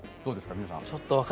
皆さん。